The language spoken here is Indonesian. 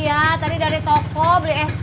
ada yang barusan sama emak ke toko